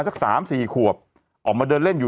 สวัสดีครับคุณผู้ชม